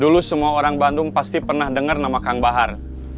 dulu semua orang bandung pasti pernah dengar nama kang bahar